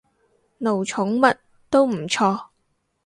奴寵物，都唔錯